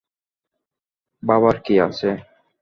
ভাবার কী আছে?